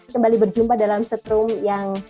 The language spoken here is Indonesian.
kembali berjumpa dalam setrum yang